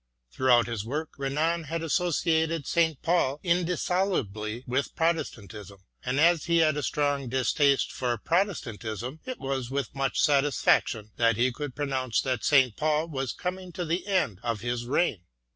Throughout his work Renan had associated St. Paul indissolubly with Protestantism, and as he had a strong distaste for Protestantism, it was with much satisfaction that he could pronounce that Paul was coming to the end of his reign.